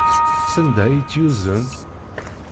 Sanda ay tt-yuzen?